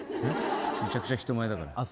めちゃくちゃ人前だから。